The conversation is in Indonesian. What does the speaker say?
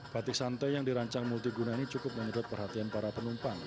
batik santai yang dirancang multi guna ini cukup menurut perhatian para penumpang